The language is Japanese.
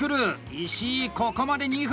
石井、ここまで２分！